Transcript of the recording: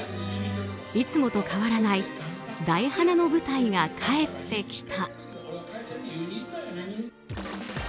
いつもと変わらない大花の舞台が帰ってきた。